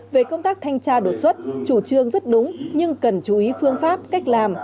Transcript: về công tác thanh tra đột xuất chủ trương rất đúng nhưng cần chú ý phương pháp cách làm